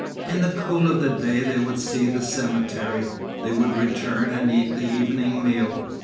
In the cool of the day they would see the cemetery; they would return, and eat the evening meal.